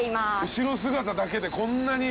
後ろ姿だけでこんなに。